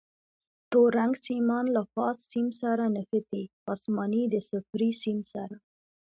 تور رنګ سیمان له فاز سیم سره نښتي، اسماني د صفري سیم سره.